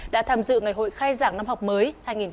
đã tham dự ngày hội khai giảng năm học mới